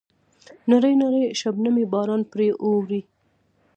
نری نری شبنمي باران پرې اوروي.